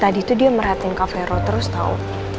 tadi tuh dia merhatiin kak vero terus tau